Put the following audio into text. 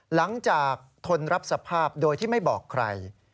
หลังจากทนรับสภาพโดยที่ไม่บอกใคร